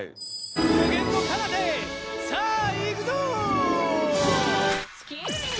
無限のかなたへさあ行くぞ！